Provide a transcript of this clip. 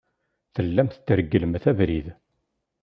Tellamt tregglemt abrid.